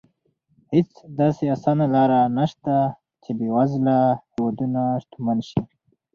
هېڅ داسې اسانه لار نه شته چې بېوزله هېوادونه شتمن شي.